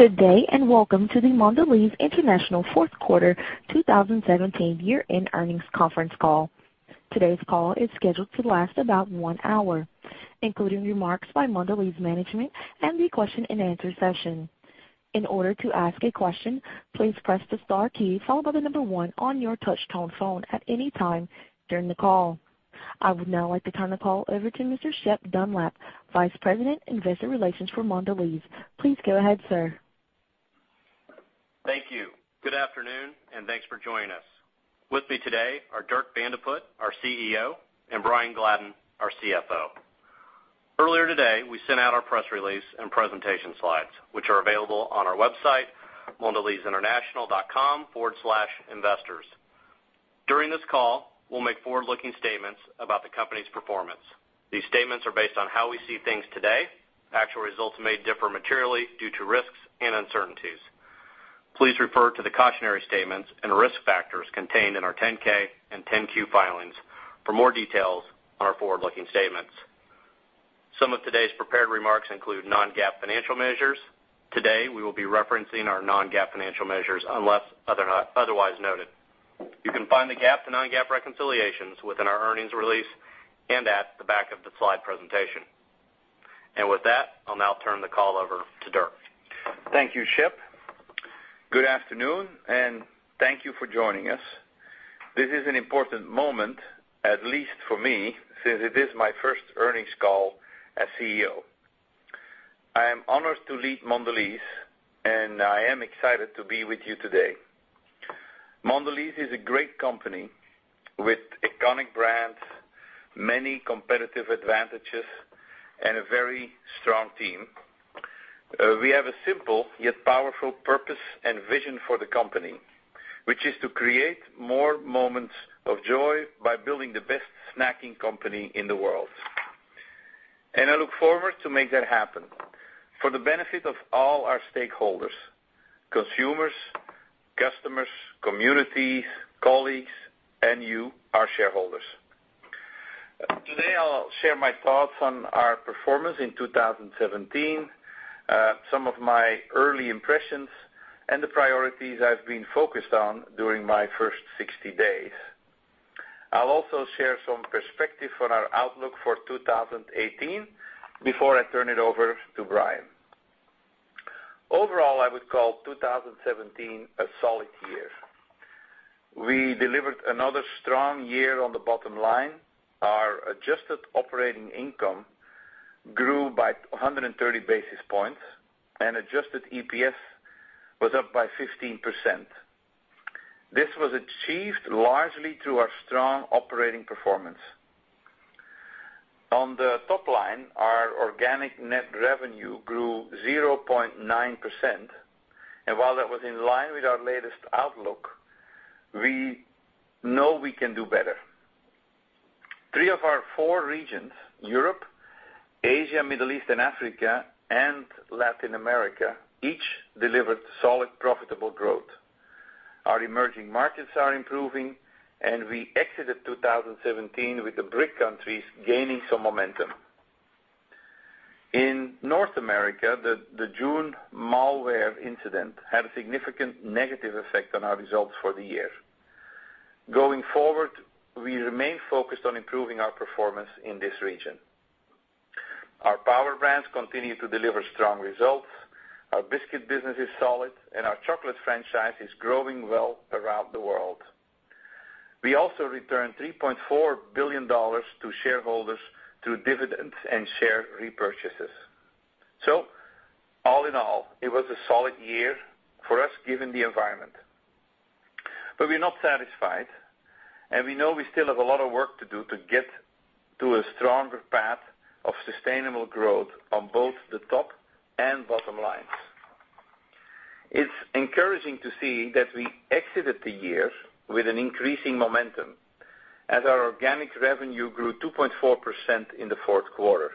Good day, and welcome to the Mondelez International fourth quarter 2017 year-end earnings conference call. Today's call is scheduled to last about one hour, including remarks by Mondelez management and the question and answer session. In order to ask a question, please press the star key followed by the number one on your touch tone phone at any time during the call. I would now like to turn the call over to Mr. Shep Dunlap, Vice President, Investor Relations for Mondelez. Please go ahead, sir. Thank you. Good afternoon, and thanks for joining us. With me today are Dirk Van de Put, our CEO, and Brian Gladden, our CFO. Earlier today, we sent out our press release and presentation slides, which are available on our website, mondelezinternational.com/investors. During this call, we'll make forward-looking statements about the company's performance. These statements are based on how we see things today. Actual results may differ materially due to risks and uncertainties. Please refer to the cautionary statements and risk factors contained in our 10-K and 10Q filings for more details on our forward-looking statements. Some of today's prepared remarks include non-GAAP financial measures. Today, we will be referencing our non-GAAP financial measures, unless otherwise noted. You can find the GAAP to non-GAAP reconciliations within our earnings release and at the back of the slide presentation. With that, I'll now turn the call over to Dirk. Thank you, Shep. Good afternoon, and thank you for joining us. This is an important moment, at least for me, since it is my first earnings call as CEO. I am honored to lead Mondelez, and I am excited to be with you today. Mondelez is a great company with iconic brands, many competitive advantages, and a very strong team. We have a simple, yet powerful purpose and vision for the company, which is to create more moments of joy by building the best snacking company in the world. I look forward to make that happen for the benefit of all our stakeholders, consumers, customers, communities, colleagues, and you, our shareholders. Today, I'll share my thoughts on our performance in 2017, some of my early impressions, and the priorities I've been focused on during my first 60 days. I'll also share some perspective on our outlook for 2018 before I turn it over to Brian. Overall, I would call 2017 a solid year. We delivered another strong year on the bottom line. Our adjusted operating income grew by 130 basis points, and adjusted EPS was up by 15%. This was achieved largely through our strong operating performance. On the top line, our organic net revenue grew 0.9%, and while that was in line with our latest outlook, we know we can do better. Three of our four regions, Europe, Asia, Middle East and Africa, and Latin America, each delivered solid profitable growth. Our emerging markets are improving, and we exited 2017 with the BRIC countries gaining some momentum. In North America, the June malware incident had a significant negative effect on our results for the year. Going forward, we remain focused on improving our performance in this region. Our Power Brands continue to deliver strong results, our biscuit business is solid, and our chocolate franchise is growing well around the world. We also returned $3.4 billion to shareholders through dividends and share repurchases. All in all, it was a solid year for us given the environment. We're not satisfied, and we know we still have a lot of work to do to get to a stronger path of sustainable growth on both the top and bottom lines. It's encouraging to see that we exited the year with an increasing momentum as our organic revenue grew 2.4% in the fourth quarter.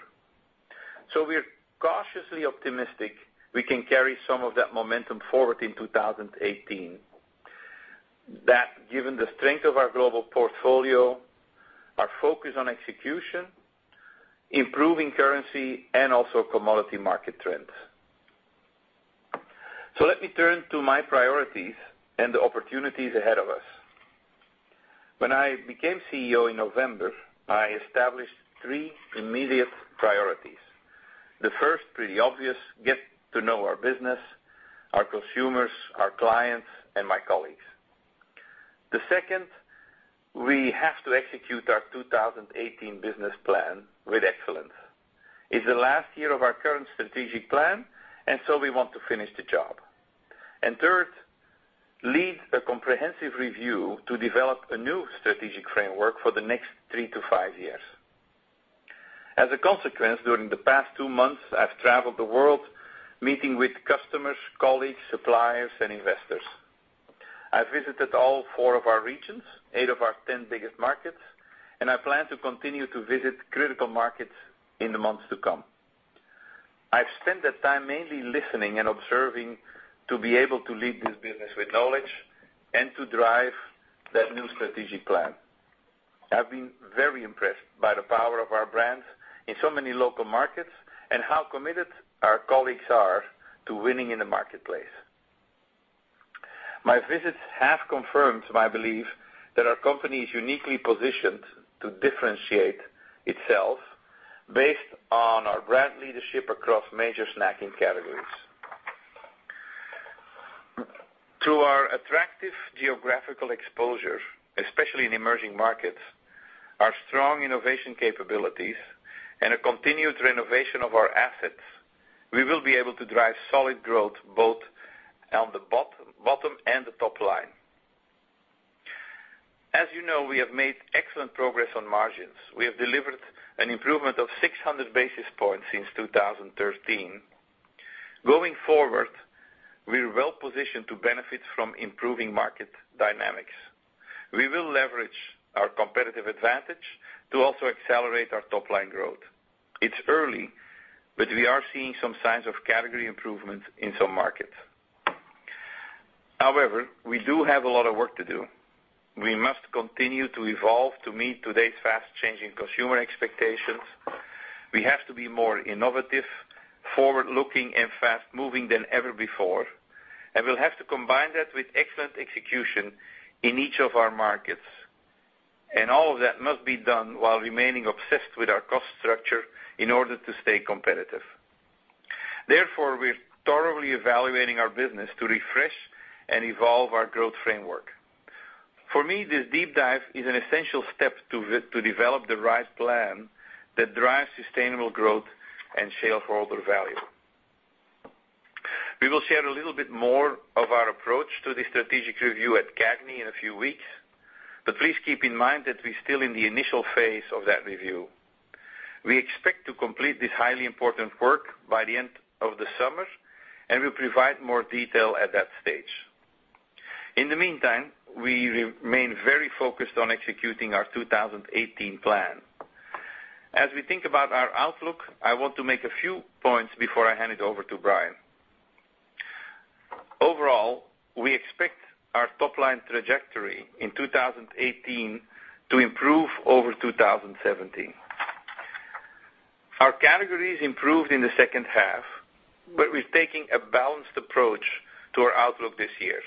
We're cautiously optimistic we can carry some of that momentum forward in 2018 given the strength of our global portfolio, our focus on execution, improving currency, and also commodity market trends. Let me turn to my priorities and the opportunities ahead of us. When I became CEO in November, I established three immediate priorities. The first, pretty obvious, get to know our business, our consumers, our clients, and my colleagues. The second, we have to execute our 2018 business plan with excellence. It's the last year of our current strategic plan, and so we want to finish the job. Third, lead a comprehensive review to develop a new strategic framework for the next three to five years. As a consequence, during the past two months, I've traveled the world meeting with customers, colleagues, suppliers, and investors. I've visited all four of our regions, eight of our 10 biggest markets, and I plan to continue to visit critical markets in the months to come. I've spent that time mainly listening and observing to be able to lead this business with knowledge and to drive that new strategic plan. I've been very impressed by the Power Brands in so many local markets and how committed our colleagues are to winning in the marketplace. My visits have confirmed my belief that our company is uniquely positioned to differentiate itself based on our brand leadership across major snacking categories. Through our attractive geographical exposure, especially in emerging markets, our strong innovation capabilities, and a continued renovation of our assets, we will be able to drive solid growth both on the bottom and the top line. As you know, we have made excellent progress on margins. We have delivered an improvement of 600 basis points since 2013. Going forward, we're well positioned to benefit from improving market dynamics. We will leverage our competitive advantage to also accelerate our top-line growth. It's early, but we are seeing some signs of category improvement in some markets. However, we do have a lot of work to do. We must continue to evolve to meet today's fast-changing consumer expectations. We have to be more innovative, forward-looking, and fast-moving than ever before, and we'll have to combine that with excellent execution in each of our markets. All of that must be done while remaining obsessed with our cost structure in order to stay competitive. Therefore, we're thoroughly evaluating our business to refresh and evolve our growth framework. For me, this deep dive is an essential step to develop the right plan that drives sustainable growth and shareholder value. We will share a little bit more of our approach to the strategic review at CAGNY in a few weeks, but please keep in mind that we're still in the initial phase of that review. We expect to complete this highly important work by the end of the summer, and we'll provide more detail at that stage. In the meantime, we remain very focused on executing our 2018 plan. As we think about our outlook, I want to make a few points before I hand it over to Brian. Overall, we expect our top-line trajectory in 2018 to improve over 2017. Our categories improved in the second half, but we're taking a balanced approach to our outlook this year.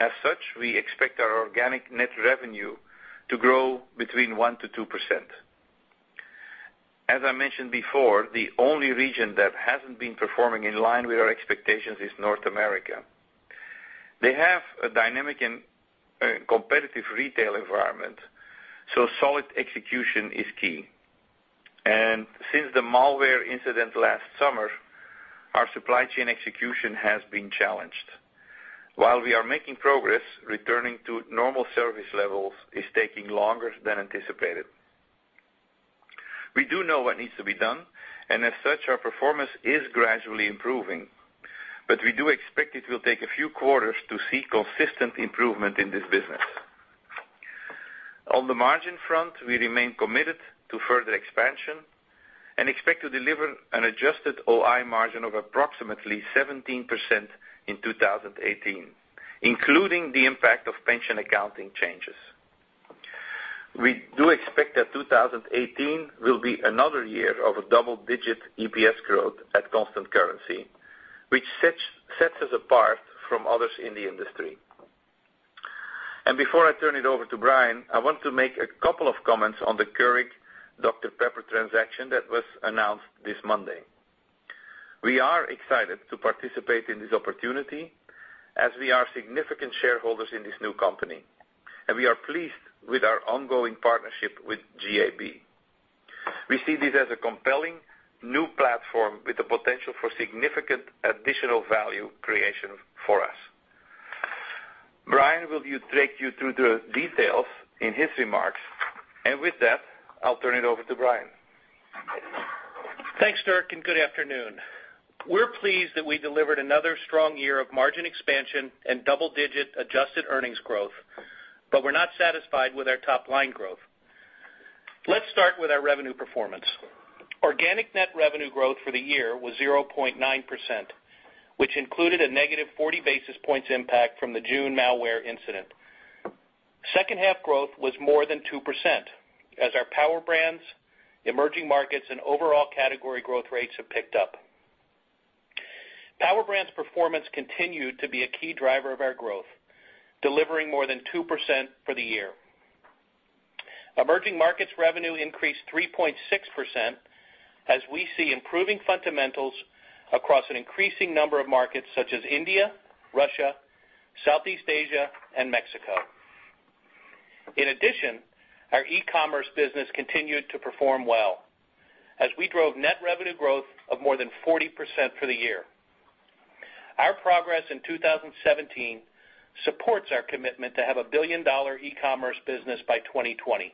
As such, we expect our organic net revenue to grow between 1%-2%. As I mentioned before, the only region that hasn't been performing in line with our expectations is North America. They have a dynamic and competitive retail environment, so solid execution is key. Since the malware incident last summer, our supply chain execution has been challenged. While we are making progress, returning to normal service levels is taking longer than anticipated. We do know what needs to be done, and as such, our performance is gradually improving, but we do expect it will take a few quarters to see consistent improvement in this business. On the margin front, we remain committed to further expansion and expect to deliver an adjusted OI margin of approximately 17% in 2018, including the impact of pension accounting changes. We do expect that 2018 will be another year of double-digit EPS growth at constant currency, which sets us apart from others in the industry. Before I turn it over to Brian, I want to make a couple of comments on the Keurig Dr Pepper transaction that was announced this Monday. We are excited to participate in this opportunity as we are significant shareholders in this new company, and we are pleased with our ongoing partnership with JAB. We see this as a compelling new platform with the potential for significant additional value creation for us. Brian will take you through the details in his remarks. With that, I'll turn it over to Brian. Thanks, Dirk, good afternoon. We're pleased that we delivered another strong year of margin expansion and double-digit adjusted earnings growth, but we're not satisfied with our top-line growth. Let's start with our revenue performance. Organic net revenue growth for the year was 0.9%, which included a negative 40 basis points impact from the June malware incident. Second half growth was more than 2% as our Power Brands, emerging markets, and overall category growth rates have picked up. Power Brands performance continued to be a key driver of our growth, delivering more than 2% for the year. Emerging markets revenue increased 3.6% as we see improving fundamentals across an increasing number of markets such as India, Russia, Southeast Asia, and Mexico. In addition, our e-commerce business continued to perform well as we drove net revenue growth of more than 40% for the year. Our progress in 2017 supports our commitment to have a billion-dollar e-commerce business by 2020.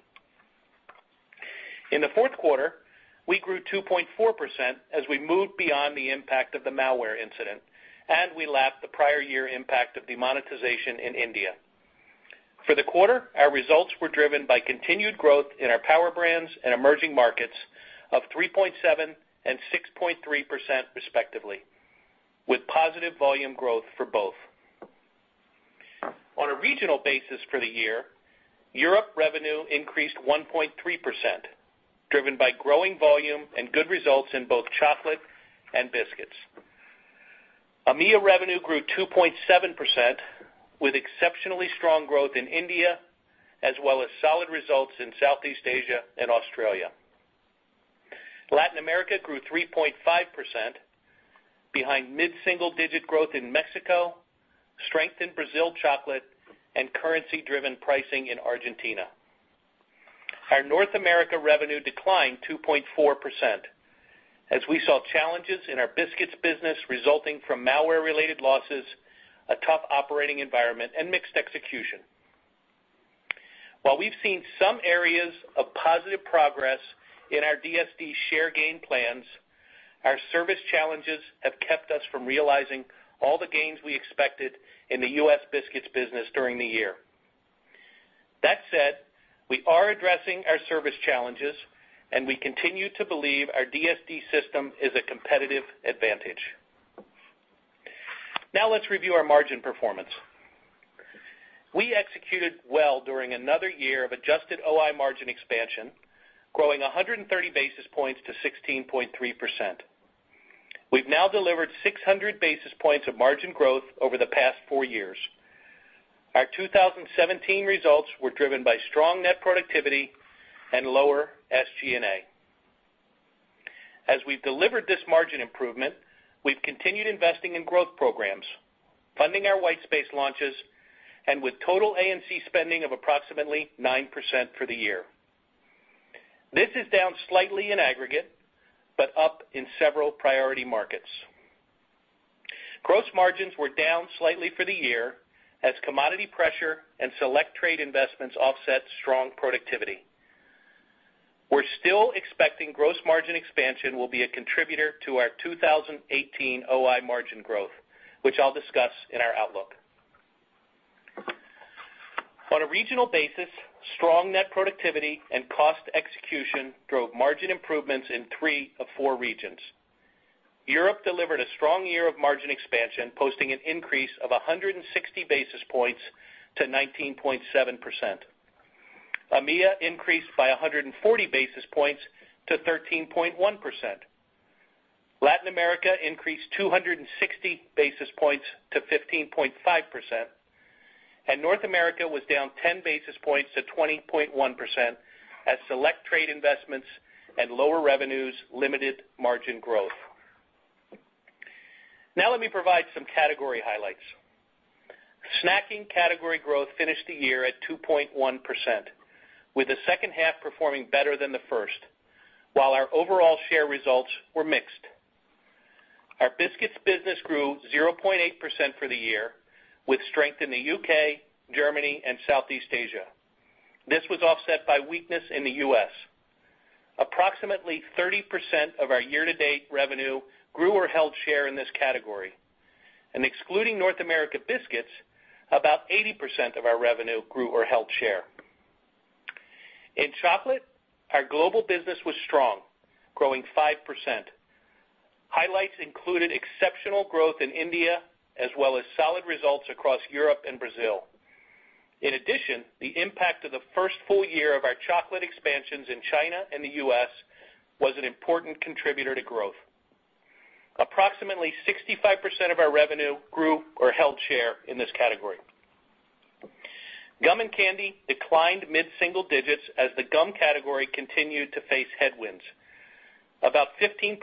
In the fourth quarter, we grew 2.4% as we moved beyond the impact of the malware incident, and we lapped the prior year impact of demonetization in India. For the quarter, our results were driven by continued growth in our Power Brands and emerging markets of 3.7% and 6.3% respectively, with positive volume growth for both. On a regional basis for the year, Europe revenue increased 1.3%, driven by growing volume and good results in both chocolate and biscuits. AMEA revenue grew 2.7%, with exceptionally strong growth in India, as well as solid results in Southeast Asia and Australia. Latin America grew 3.5%, behind mid-single-digit growth in Mexico, strength in Brazil chocolate, and currency-driven pricing in Argentina. Our North America revenue declined 2.4%, as we saw challenges in our biscuits business resulting from malware-related losses, a tough operating environment, and mixed execution. While we've seen some areas of positive progress in our DSD share gain plans, our service challenges have kept us from realizing all the gains we expected in the U.S. biscuits business during the year. That said, we are addressing our service challenges, and we continue to believe our DSD system is a competitive advantage. Now let's review our margin performance. We executed well during another year of adjusted OI margin expansion, growing 130 basis points to 16.3%. We've now delivered 600 basis points of margin growth over the past four years. Our 2017 results were driven by strong net productivity and lower SG&A. As we've delivered this margin improvement, we've continued investing in growth programs, funding our white space launches, and with total A&C spending of approximately 9% for the year. This is down slightly in aggregate, but up in several priority markets. Gross margins were down slightly for the year as commodity pressure and select trade investments offset strong productivity. We're still expecting gross margin expansion will be a contributor to our 2018 OI margin growth, which I'll discuss in our outlook. On a regional basis, strong net productivity and cost execution drove margin improvements in three of four regions. Europe delivered a strong year of margin expansion, posting an increase of 160 basis points to 19.7%. AMEA increased by 140 basis points to 13.1%. Latin America increased 260 basis points to 15.5%, and North America was down 10 basis points to 20.1% as select trade investments and lower revenues limited margin growth. Now let me provide some category highlights. Snacking category growth finished the year at 2.1%, with the second half performing better than the first, while our overall share results were mixed. Our biscuits business grew 0.8% for the year, with strength in the U.K., Germany, and Southeast Asia. This was offset by weakness in the U.S. Approximately 30% of our year-to-date revenue grew or held share in this category, and excluding North America biscuits, about 80% of our revenue grew or held share. In chocolate, our global business was strong, growing 5%. Highlights included exceptional growth in India, as well as solid results across Europe and Brazil. In addition, the impact of the first full year of our chocolate expansions in China and the U.S. was an important contributor to growth. Approximately 65% of our revenue grew or held share in this category. Gum and candy declined mid-single digits as the gum category continued to face headwinds. About 15%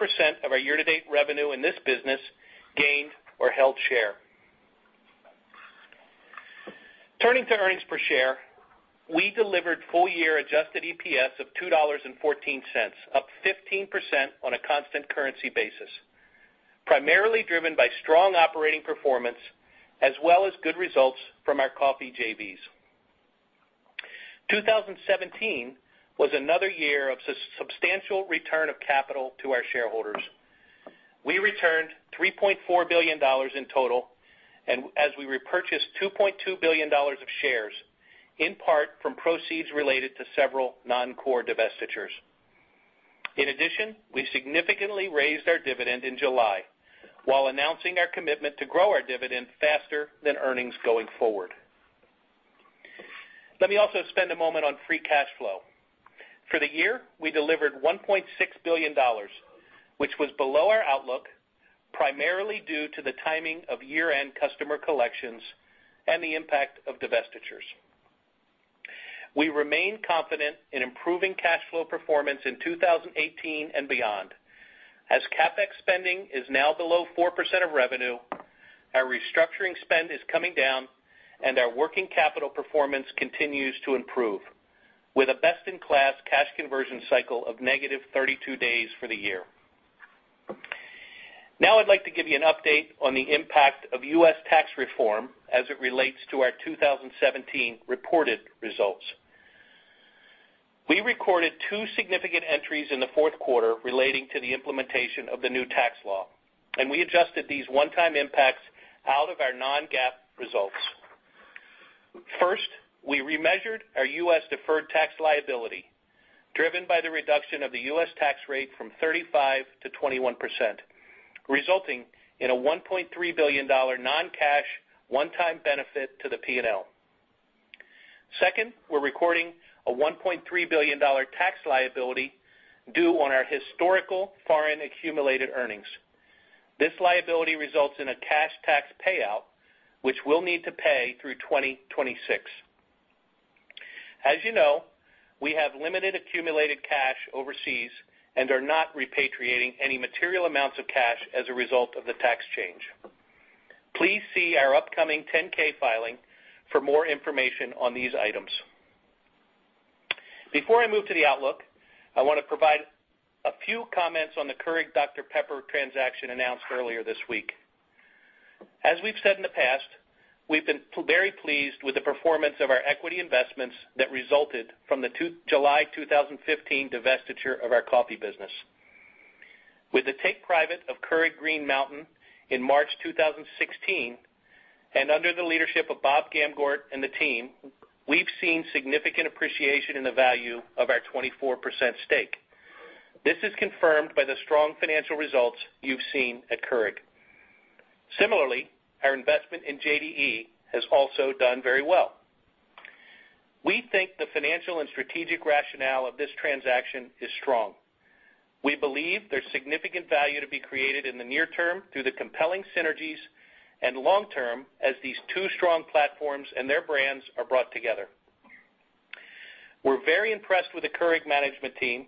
of our year-to-date revenue in this business gained or held share. Turning to earnings per share, we delivered full-year adjusted EPS of $2.14, up 15% on a constant currency basis, primarily driven by strong operating performance as well as good results from our coffee JVs. 2017 was another year of substantial return of capital to our shareholders. We returned $3.4 billion in total as we repurchased $2.2 billion of shares, in part from proceeds related to several non-core divestitures. We significantly raised our dividend in July while announcing our commitment to grow our dividend faster than earnings going forward. Let me also spend a moment on free cash flow. For the year, we delivered $1.6 billion, which was below our outlook, primarily due to the timing of year-end customer collections and the impact of divestitures. We remain confident in improving cash flow performance in 2018 and beyond, as CapEx spending is now below 4% of revenue, our restructuring spend is coming down, and our working capital performance continues to improve, with a best-in-class cash conversion cycle of negative 32 days for the year. Now I'd like to give you an update on the impact of U.S. tax reform as it relates to our 2017 reported results. We recorded two significant entries in the fourth quarter relating to the implementation of the new tax law. We adjusted these one-time impacts out of our non-GAAP results. First, we remeasured our U.S. deferred tax liability, driven by the reduction of the U.S. tax rate from 35%-21%, resulting in a $1.3 billion non-cash one-time benefit to the P&L. Second, we're recording a $1.3 billion tax liability due on our historical foreign accumulated earnings. This liability results in a cash tax payout, which we'll need to pay through 2026. As you know, we have limited accumulated cash overseas and are not repatriating any material amounts of cash as a result of the tax change. Please see our upcoming 10-K filing for more information on these items. Before I move to the outlook, I want to provide a few comments on the Keurig Dr Pepper transaction announced earlier this week. As we've said in the past, we've been very pleased with the performance of our equity investments that resulted from the July 2015 divestiture of our coffee business. With the take private of Keurig Green Mountain in March 2016, and under the leadership of Bob Gamgort and the team, we've seen significant appreciation in the value of our 24% stake. This is confirmed by the strong financial results you've seen at Keurig. Similarly, our investment in JDE has also done very well. We think the financial and strategic rationale of this transaction is strong. We believe there's significant value to be created in the near term through the compelling synergies, and long term, as these two strong platforms and their brands are brought together. We're very impressed with the Keurig management team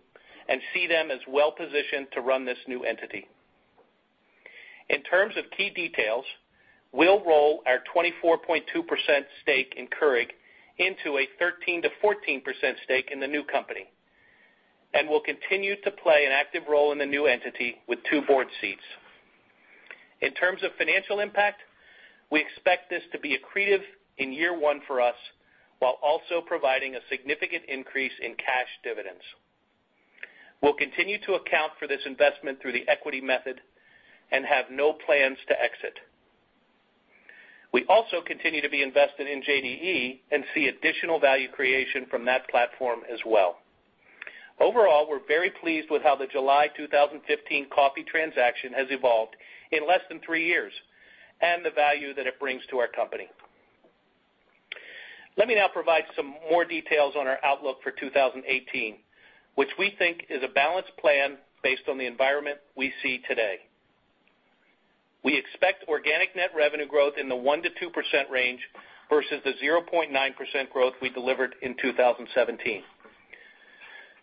and see them as well-positioned to run this new entity. In terms of key details, we'll roll our 24.2% stake in Keurig into a 13%-14% stake in the new company, and we'll continue to play an active role in the new entity with two board seats. In terms of financial impact, we expect this to be accretive in year one for us, while also providing a significant increase in cash dividends. We'll continue to account for this investment through the equity method and have no plans to exit. We also continue to be invested in JDE and see additional value creation from that platform as well. Overall, we're very pleased with how the July 2015 coffee transaction has evolved in less than three years, and the value that it brings to our company. Let me now provide some more details on our outlook for 2018, which we think is a balanced plan based on the environment we see today. We expect organic net revenue growth in the 1%-2% range versus the 0.9% growth we delivered in 2017.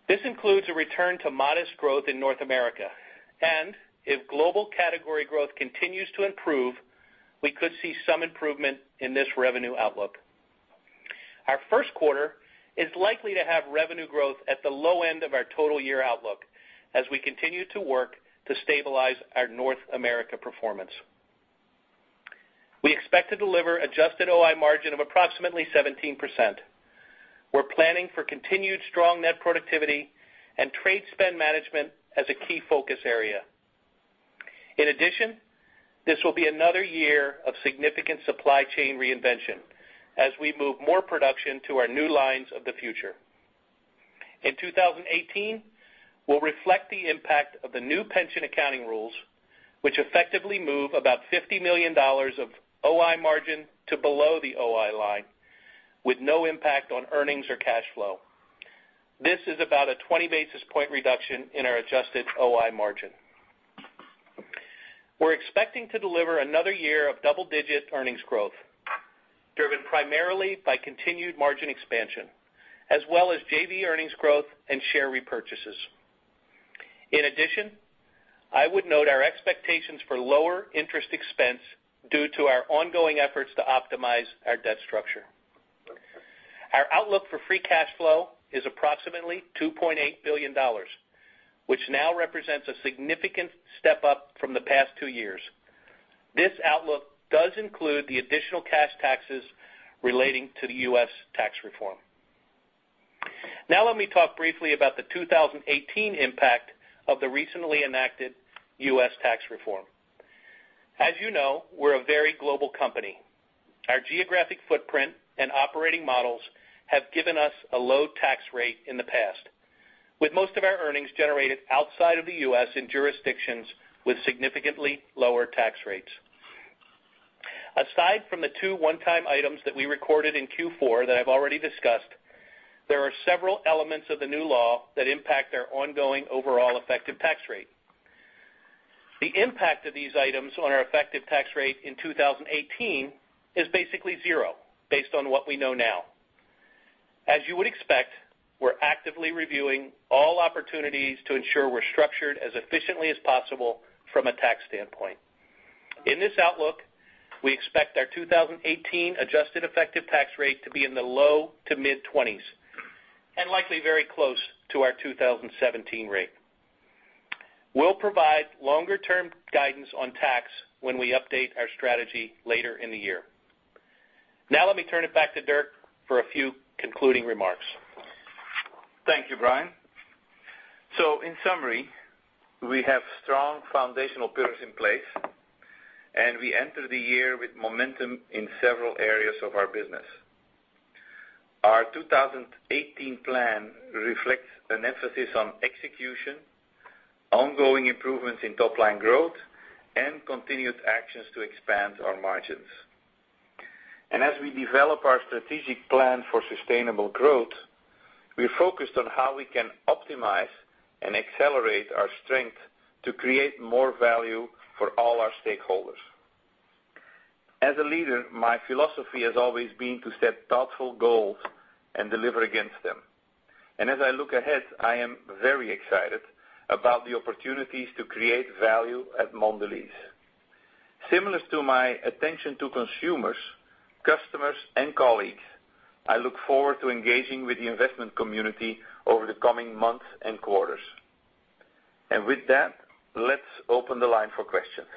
This includes a return to modest growth in North America, and if global category growth continues to improve, we could see some improvement in this revenue outlook. Our first quarter is likely to have revenue growth at the low end of our total year outlook as we continue to work to stabilize our North America performance. We expect to deliver adjusted OI margin of approximately 17%. We're planning for continued strong net productivity and trade spend management as a key focus area. This will be another year of significant supply chain reinvention as we move more production to our new lines of the future. In 2018, we'll reflect the impact of the new pension accounting rules, which effectively move about $50 million of OI margin to below the OI line with no impact on earnings or cash flow. This is about a 20-basis point reduction in our adjusted OI margin. We're expecting to deliver another year of double-digit earnings growth, driven primarily by continued margin expansion, as well as JV earnings growth and share repurchases. I would note our expectations for lower interest expense due to our ongoing efforts to optimize our debt structure. Our outlook for free cash flow is approximately $2.8 billion, which now represents a significant step up from the past two years. This outlook does include the additional cash taxes relating to the U.S. tax reform. Let me talk briefly about the 2018 impact of the recently enacted U.S. tax reform. As you know, we're a very global company. Our geographic footprint and operating models have given us a low tax rate in the past, with most of our earnings generated outside of the U.S. in jurisdictions with significantly lower tax rates. Aside from the two one-time items that we recorded in Q4 that I've already discussed, there are several elements of the new law that impact our ongoing overall effective tax rate. The impact of these items on our effective tax rate in 2018 is basically zero based on what we know now. As you would expect, we're actively reviewing all opportunities to ensure we're structured as efficiently as possible from a tax standpoint. In this outlook, we expect our 2018 adjusted effective tax rate to be in the low to mid-20s, and likely very close to our 2017 rate. We will provide longer-term guidance on tax when we update our strategy later in the year. Let me turn it back to Dirk for a few concluding remarks. Thank you, Brian. In summary, we have strong foundational pillars in place, and we enter the year with momentum in several areas of our business. Our 2018 plan reflects an emphasis on execution, ongoing improvements in top-line growth, and continued actions to expand our margins. As we develop our strategic plan for sustainable growth, we are focused on how we can optimize and accelerate our strength to create more value for all our stakeholders. As a leader, my philosophy has always been to set thoughtful goals and deliver against them. As I look ahead, I am very excited about the opportunities to create value at Mondelez. Similar to my attention to consumers, customers, and colleagues, I look forward to engaging with the investment community over the coming months and quarters. With that, let's open the line for questions.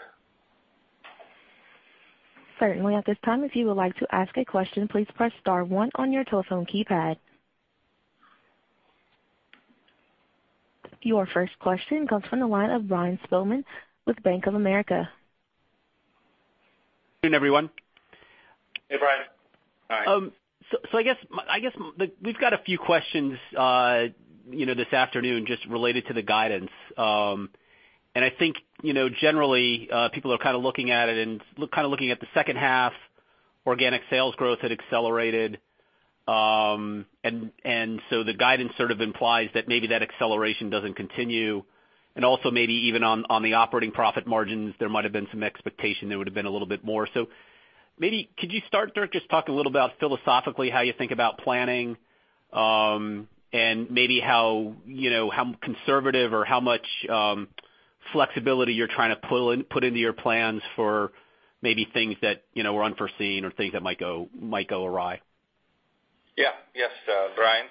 Certainly. At this time, if you would like to ask a question, please press star one on your telephone keypad. Your first question comes from the line of Bryan Spillane with Bank of America. Good afternoon, everyone. Hey, Brian. Hi. I guess, we've got a few questions this afternoon just related to the guidance. I think, generally, people are looking at it and looking at the second half organic sales growth had accelerated. The guidance sort of implies that maybe that acceleration doesn't continue. Also maybe even on the operating profit margins, there might have been some expectation that it would've been a little bit more. Maybe could you start, Dirk, just talk a little about philosophically, how you think about planning, and maybe how conservative or how much flexibility you're trying to put into your plans for maybe things that were unforeseen or things that might go awry? Yes, Brian.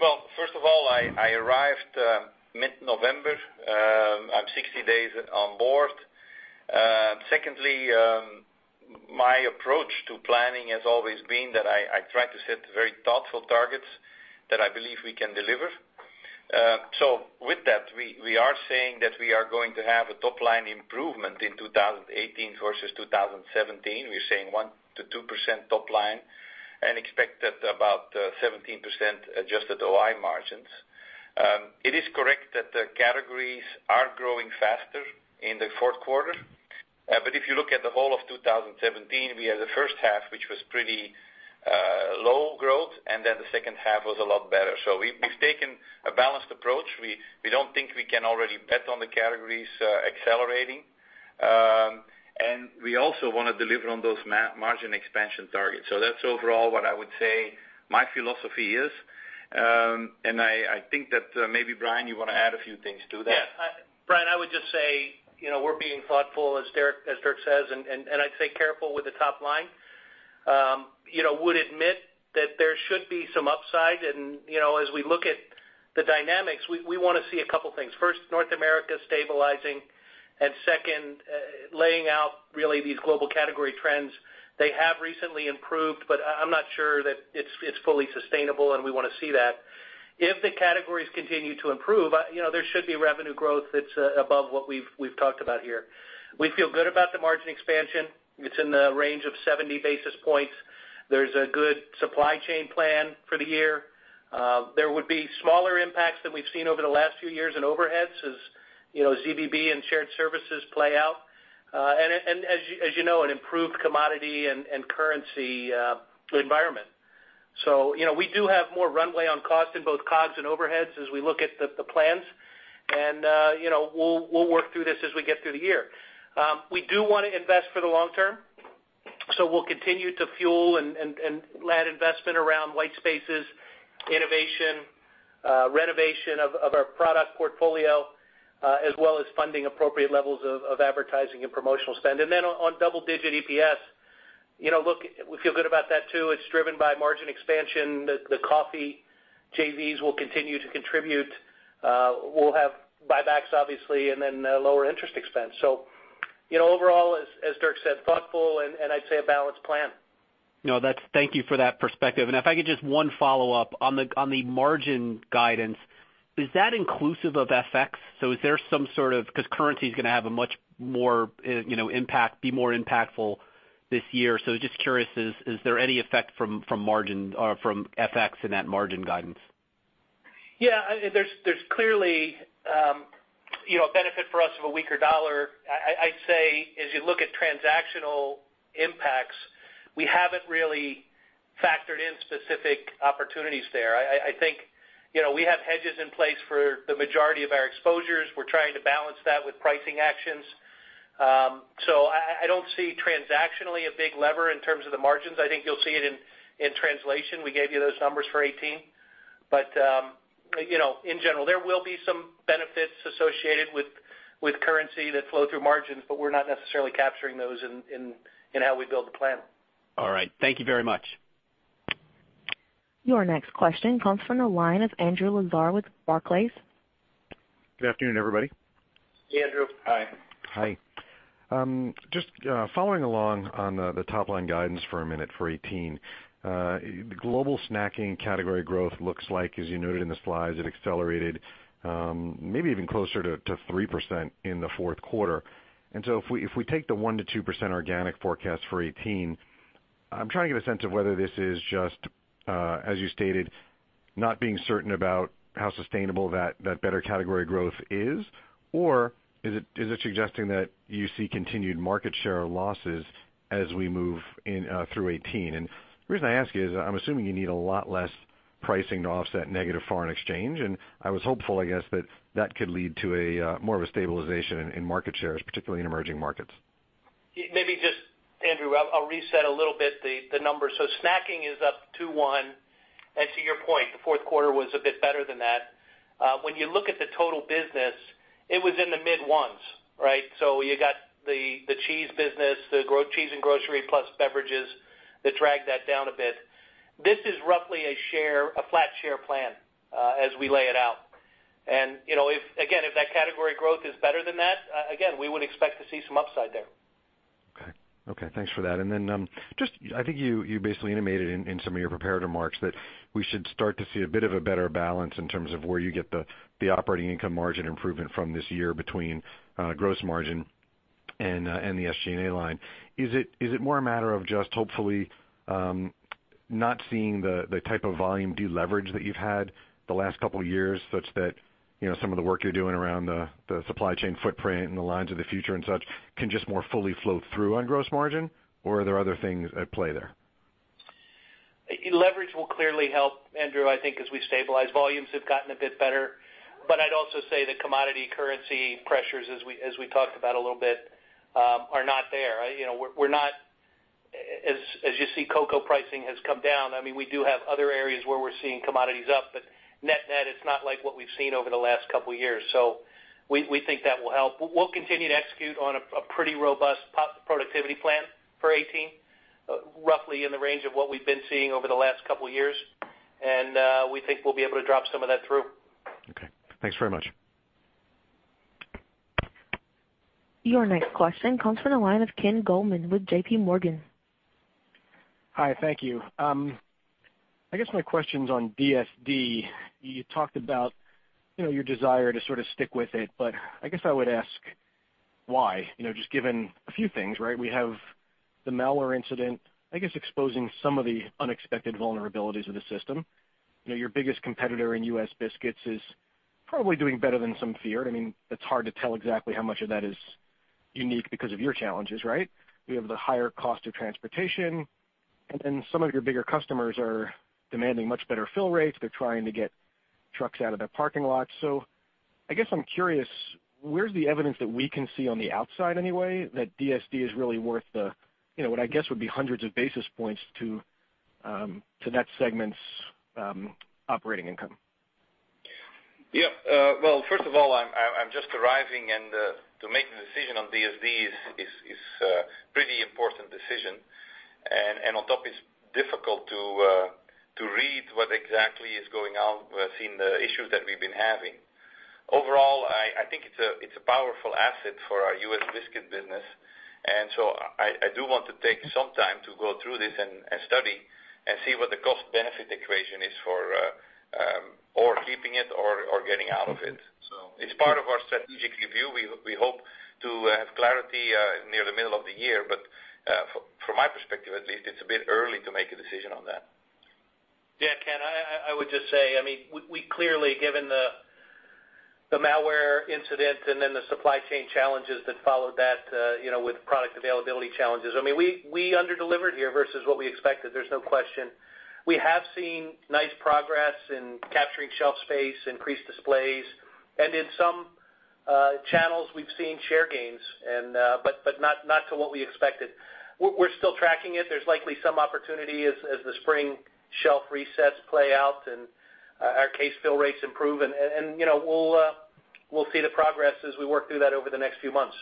Well, first of all, I arrived mid-November. I'm 60 days on board. Secondly, my approach to planning has always been that I try to set very thoughtful targets that I believe we can deliver. With that, we are saying that we are going to have a top-line improvement in 2018 versus 2017. We're saying 1%-2% top line and expect about 17% adjusted OI margins. It is correct that the categories are growing faster in the fourth quarter. If you look at the whole of 2017, we had the first half, which was pretty low growth, and then the second half was a lot better. We've taken a balanced approach. We don't think we can already bet on the categories accelerating. We also want to deliver on those margin expansion targets. That's overall what I would say my philosophy is. I think that maybe, Brian, you want to add a few things to that. Yeah. Brian, I would just say, we're being thoughtful, as Dirk says, I'd say careful with the top line. Would admit that there should be some upside. As we look at the dynamics, we want to see a couple things. First, North America stabilizing. Second, laying out really these global category trends. They have recently improved, but I'm not sure that it's fully sustainable, and we want to see that. If the categories continue to improve, there should be revenue growth that's above what we've talked about here. We feel good about the margin expansion. It's in the range of 70 basis points. There's a good supply chain plan for the year. There would be smaller impacts than we've seen over the last few years in overheads as ZBB and shared services play out. As you know, an improved commodity and currency environment. We do have more runway on cost in both COGS and overheads as we look at the plans. We'll work through this as we get through the year. We do want to invest for the long term, so we'll continue to fuel and land investment around white spaces, innovation, renovation of our product portfolio, as well as funding appropriate levels of advertising and promotional spend. On double-digit EPS, look, we feel good about that too. It's driven by margin expansion. The coffee JVs will continue to contribute. We'll have buybacks, obviously, lower interest expense. Overall, as Dirk said, thoughtful and I'd say a balanced plan. No, thank you for that perspective. If I could just one follow-up on the margin guidance. Is that inclusive of FX? Because currency's going to have a much more impact, be more impactful this year. Just curious, is there any effect from margin or from FX in that margin guidance? Yeah, there's clearly a benefit for us of a weaker dollar. As you look at transactional impacts, we haven't really factored in specific opportunities there. I think we have hedges in place for the majority of our exposures. We're trying to balance that with pricing actions. I don't see transactionally a big lever in terms of the margins. I think you'll see it in translation. We gave you those numbers for 2018. In general, there will be some benefits associated with currency that flow through margins, but we're not necessarily capturing those in how we build the plan. All right. Thank you very much. Your next question comes from the line of Andrew Lazar with Barclays. Good afternoon, everybody. Andrew, hi. Hi. Just following along on the top line guidance for a minute for 2018. The global snacking category growth looks like, as you noted in the slides, it accelerated maybe even closer to 3% in the fourth quarter. If we take the 1%-2% organic forecast for 2018, I am trying to get a sense of whether this is just, as you stated, not being certain about how sustainable that better category growth is, or is it suggesting that you see continued market share losses as we move through 2018? The reason I ask is I am assuming you need a lot less pricing to offset negative foreign exchange, and I was hopeful, I guess, that that could lead to more of a stabilization in market shares, particularly in emerging markets. Maybe just, Andrew, I will reset a little bit the numbers. Snacking is up 2.1%, and to your point, the fourth quarter was a bit better than that. When you look at the total business, it was in the mid ones, right? You got the cheese business, the cheese and grocery plus beverages that dragged that down a bit. This is roughly a flat share plan as we lay it out. Again, if that category growth is better than that, again, we would expect to see some upside there. Okay. Thanks for that. I think you basically intimated in some of your prepared remarks that we should start to see a bit of a better balance in terms of where you get the operating income margin improvement from this year between gross margin and the SG&A line. Is it more a matter of just hopefully not seeing the type of volume de-leverage that you have had the last couple of years, such that some of the work you are doing around the supply chain footprint and the lines of the future and such can just more fully flow through on gross margin? Or are there other things at play there? Leverage will clearly help, Andrew, I think as we stabilize. Volumes have gotten a bit better, but I would also say the commodity currency pressures, as we talked about a little bit, are not there. As you see, cocoa pricing has come down. We do have other areas where we are seeing commodities up, but net, it is not like what we have seen over the last couple of years. We think that will help. We will continue to execute on a pretty robust productivity plan for 2018, roughly in the range of what we have been seeing over the last couple of years, and we think we will be able to drop some of that through. Okay. Thanks very much. Your next question comes from the line of Ken Goldman with J.P. Morgan. Hi, thank you. I guess my question's on DSD. You talked about your desire to sort of stick with it, but I guess I would ask why, just given a few things, right? We have the malware incident, I guess, exposing some of the unexpected vulnerabilities of the system. Your biggest competitor in U.S. biscuits is probably doing better than some feared. It's hard to tell exactly how much of that is unique because of your challenges, right? We have the higher cost of transportation, then some of your bigger customers are demanding much better fill rates. They're trying to get trucks out of their parking lots. I guess I'm curious, where's the evidence that we can see on the outside anyway, that DSD is really worth what I guess would be hundreds of basis points to net segment's operating income? Yeah. Well, first of all, I'm just arriving. To make the decision on DSD is a pretty important decision. On top, it's difficult to read what exactly is going on seeing the issues that we've been having. Overall, I think it's a powerful asset for our U.S. biscuit business. I do want to take some time to go through this and study and see what the cost-benefit equation is for keeping it or getting out of it. It's part of our strategic review. We hope to have clarity near the middle of the year, from my perspective, at least, it's a bit early to make a decision on that. Ken, I would just say, we clearly, given the malware incident and then the supply chain challenges that followed that with product availability challenges, we under-delivered here versus what we expected. There's no question. We have seen nice progress in capturing shelf space, increased displays, and in some channels we've seen share gains, but not to what we expected. We're still tracking it. There's likely some opportunity as the spring shelf resets play out and our case fill rates improve, and we'll see the progress as we work through that over the next few months.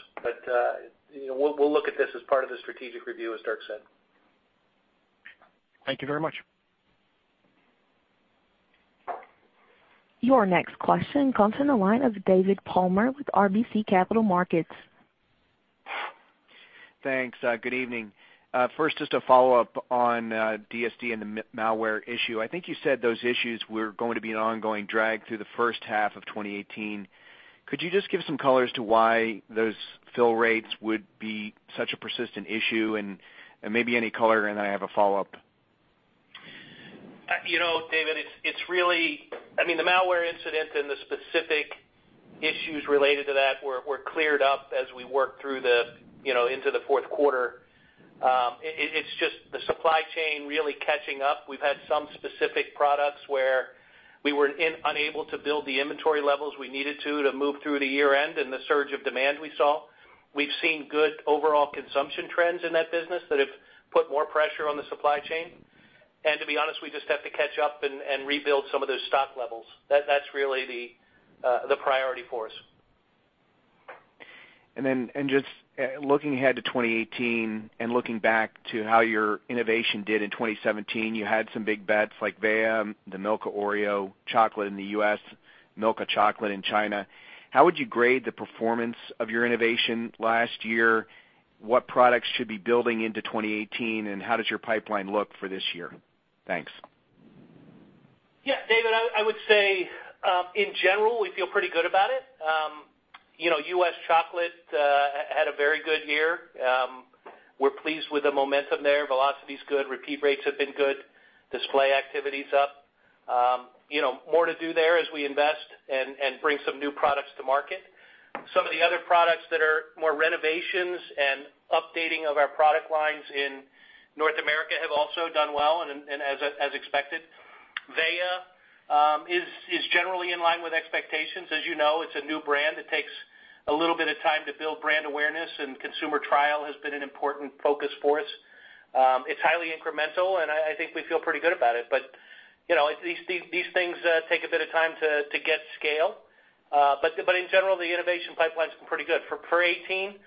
We'll look at this as part of the strategic review, as Dirk said. Thank you very much. Your next question comes from the line of David Palmer with RBC Capital Markets. Thanks. Good evening. First, just a follow-up on DSD and the malware issue. I think you said those issues were going to be an ongoing drag through the first half of 2018. Could you just give some color as to why those fill rates would be such a persistent issue and maybe any color? I have a follow-up. David, the malware incident and the specific issues related to that were cleared up as we worked through into the fourth quarter. It's just the supply chain really catching up. We've had some specific products where we were unable to build the inventory levels we needed to move through the year-end and the surge of demand we saw. We've seen good overall consumption trends in that business that have put more pressure on the supply chain. To be honest, we just have to catch up and rebuild some of those stock levels. That's really the priority for us. Looking ahead to 2018 and looking back to how your innovation did in 2017, you had some big bets like Véa, the Milka Oreo chocolate in the U.S., Milka chocolate in China. How would you grade the performance of your innovation last year? What products should be building into 2018, and how does your pipeline look for this year? Thanks. Yeah, David, I would say, in general, we feel pretty good about it. U.S. chocolate had a very good year. We're pleased with the momentum there. Velocity's good, repeat rates have been good, display activity's up. More to do there as we invest and bring some new products to market. Some of the other products that are more renovations and updating of our product lines in North America have also done well, and as expected. Véa is generally in line with expectations. As you know, it's a new brand. It takes a little bit of time to build brand awareness, and consumer trial has been an important focus for us. It's highly incremental, and I think we feel pretty good about it. These things take a bit of time to get scale. In general, the innovation pipeline's been pretty good. For 2018,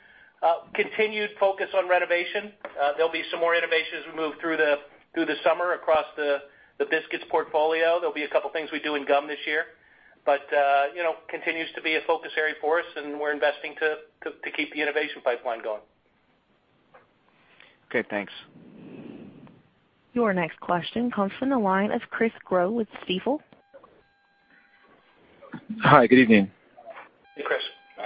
continued focus on renovation. There'll be some more innovation as we move through the summer across the biscuits portfolio. There'll be a couple things we do in gum this year. Continues to be a focus area for us and we're investing to keep the innovation pipeline going. Okay, thanks. Your next question comes from the line of Chris Growe with Stifel. Hi, good evening.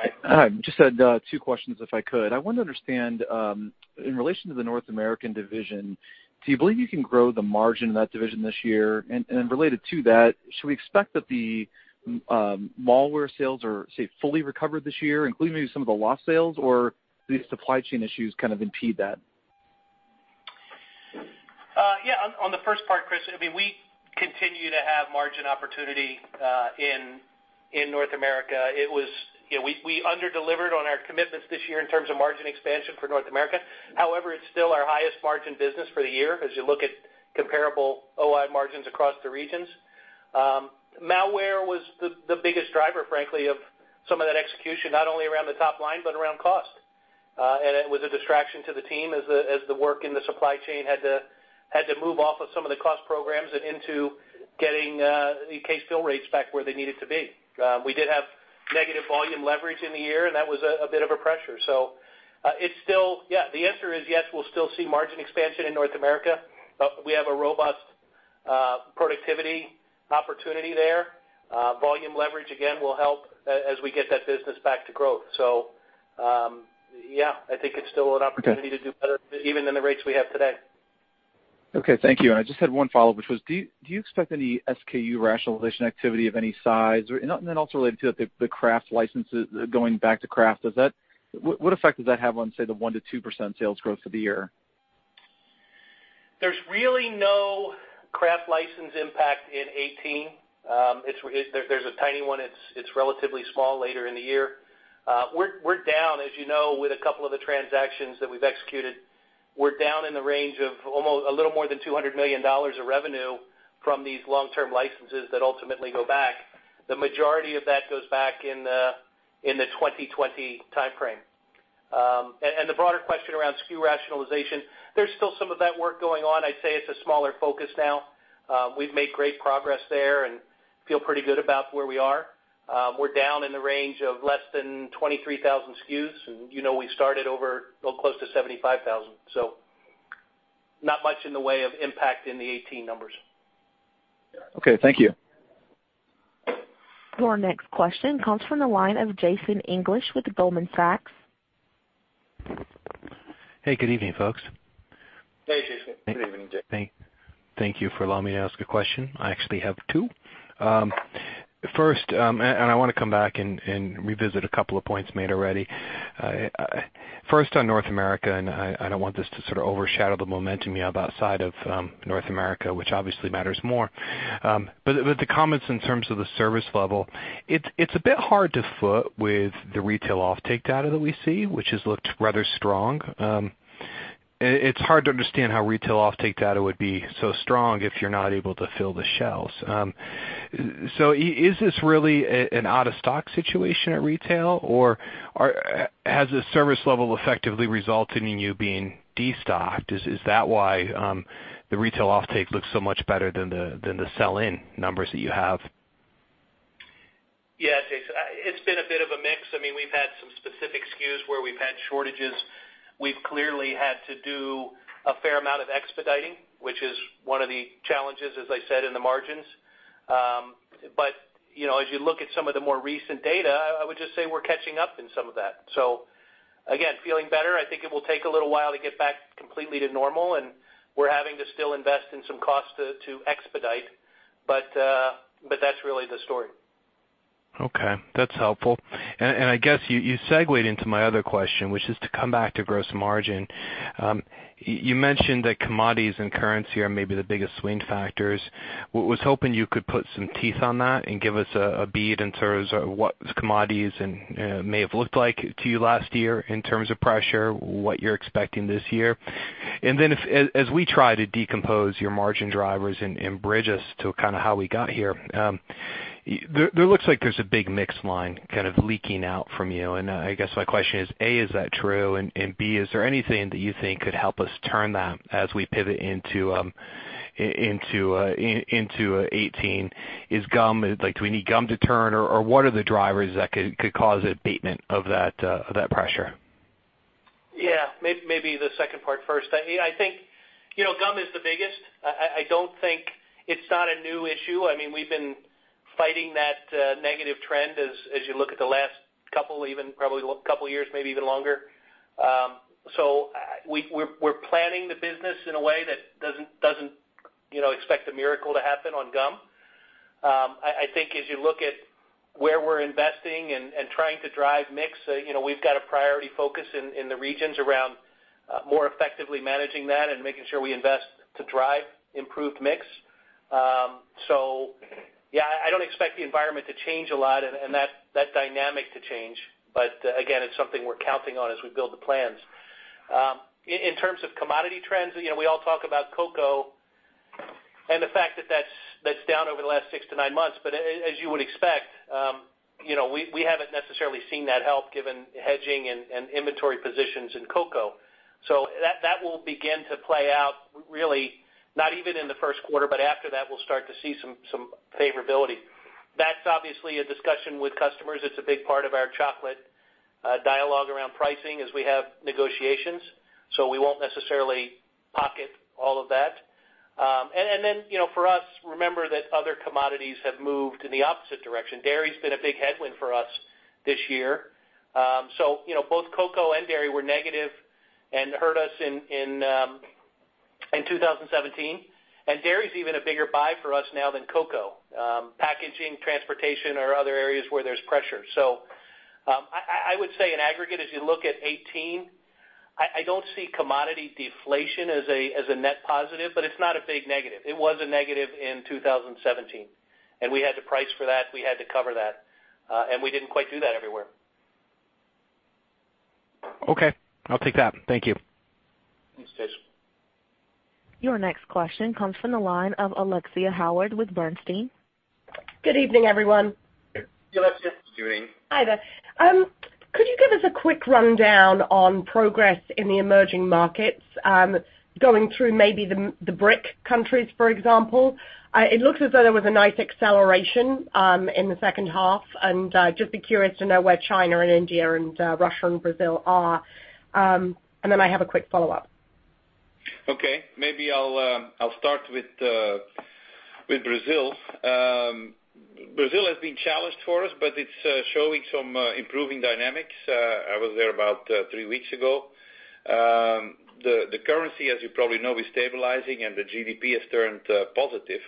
Hey, Chris. Hi. Just had two questions, if I could. I wanted to understand, in relation to the North American division, do you believe you can grow the margin in that division this year? Related to that, should we expect that the malware sales are, say, fully recovered this year, including maybe some of the lost sales, or do the supply chain issues kind of impede that? Yeah, on the first part, Chris, we continue to have margin opportunity in North America. We under-delivered on our commitments this year in terms of margin expansion for North America. However, it's still our highest margin business for the year as you look at comparable OI margins across the regions. Malware was the biggest driver, frankly, of some of that execution, not only around the top line, but around cost. It was a distraction to the team as the work in the supply chain had to move off of some of the cost programs and into getting the case fill rates back where they needed to be. We did have negative volume leverage in the year, and that was a bit of a pressure. The answer is yes, we'll still see margin expansion in North America. We have a robust productivity opportunity there. Volume leverage, again, will help as we get that business back to growth. Yeah, I think it's still an opportunity to do better even than the rates we have today. Okay, thank you. I just had one follow-up, which was, do you expect any SKU rationalization activity of any size? Also related to that, the Kraft licenses going back to Kraft. What effect does that have on, say, the 1%-2% sales growth for the year? There's really no Kraft license impact in 2018. If there's a tiny one, it's relatively small later in the year. We're down, as you know, with a couple of the transactions that we've executed. We're down in the range of a little more than $200 million of revenue from these long-term licenses that ultimately go back. The majority of that goes back in the 2020 timeframe. The broader question around SKU rationalization, there's still some of that work going on. I'd say it's a smaller focus now. We've made great progress there and feel pretty good about where we are. We're down in the range of less than 23,000 SKUs, and you know we started over close to 75,000. Not much in the way of impact in the 2018 numbers. Okay, thank you. Your next question comes from the line of Jason English with Goldman Sachs. Hey, good evening, folks. Hey, Jason. Good evening. Thank you for allowing me to ask a question. I actually have two. First, I want to come back and revisit a couple of points made already. First on North America, I don't want this to sort of overshadow the momentum you have outside of North America, which obviously matters more. The comments in terms of the service level, it's a bit hard to foot with the retail offtake data that we see, which has looked rather strong. It's hard to understand how retail offtake data would be so strong if you're not able to fill the shelves. Is this really an out-of-stock situation at retail, or has the service level effectively resulted in you being destocked? Is that why the retail offtake looks so much better than the sell-in numbers that you have? Yeah, Jason, it's been a bit of a mix. We've had some specific SKUs where we've had shortages. We've clearly had to do a fair amount of expediting, which is one of the challenges, as I said, in the margins. As you look at some of the more recent data, I would just say we're catching up in some of that. Again, feeling better. I think it will take a little while to get back completely to normal, and we're having to still invest in some costs to expedite. That's really the story. Okay, that's helpful. I guess you segued into my other question, which is to come back to gross margin. You mentioned that commodities and currency are maybe the biggest swing factors. Was hoping you could put some teeth on that and give us a bead in terms of what commodities may have looked like to you last year in terms of pressure, what you're expecting this year. Then as we try to decompose your margin drivers and bridge us to kind of how we got here There looks like there's a big mix line kind of leaking out from you. I guess my question is, A, is that true? B, is there anything that you think could help us turn that as we pivot into 2018? Do we need gum to turn, or what are the drivers that could cause abatement of that pressure? Yeah. Maybe the second part first. I think gum is the biggest. I don't think it's not a new issue. We've been fighting that negative trend as you look at the last couple, even probably couple years, maybe even longer. We're planning the business in a way that doesn't expect a miracle to happen on gum. I think as you look at where we're investing and trying to drive mix, we've got a priority focus in the regions around more effectively managing that and making sure we invest to drive improved mix. Yeah, I don't expect the environment to change a lot and that dynamic to change. Again, it's something we're counting on as we build the plans. In terms of commodity trends, we all talk about cocoa and the fact that that's down over the last six to nine months. As you would expect, we haven't necessarily seen that help given hedging and inventory positions in cocoa. That will begin to play out really not even in the first quarter, but after that, we'll start to see some favorability. That's obviously a discussion with customers. It's a big part of our chocolate dialogue around pricing as we have negotiations, so we won't necessarily pocket all of that. Then, for us, remember that other commodities have moved in the opposite direction. Dairy's been a big headwind for us this year. Both cocoa and dairy were negative and hurt us in 2017. Dairy's even a bigger buy for us now than cocoa. Packaging, transportation are other areas where there's pressure. I would say in aggregate, as you look at 2018, I don't see commodity deflation as a net positive, but it's not a big negative. It was a negative in 2017, and we had to price for that. We had to cover that. We didn't quite do that everywhere. Okay. I'll take that. Thank you. Thanks, Jason. Your next question comes from the line of Alexia Howard with Bernstein. Good evening, everyone. Hi, Alexia. Good evening. Hi there. Could you give us a quick rundown on progress in the emerging markets, going through maybe the BRIC countries, for example? It looks as though there was a nice acceleration in the second half. Just be curious to know where China and India and Russia and Brazil are. Then I have a quick follow-up. Okay. Maybe I'll start with Brazil. Brazil has been challenged for us, but it's showing some improving dynamics. I was there about three weeks ago. The currency, as you probably know, is stabilizing, and the GDP has turned positive.